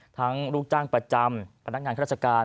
ทั้งลูกจ้างประจำพนักงานราชการ